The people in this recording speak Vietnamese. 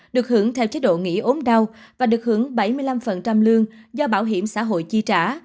được hưởng theo chế độ nghỉ ốm đau và được hưởng bảy mươi năm lương do bảo hiểm xã hội chi trả